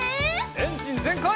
エンジンぜんかい！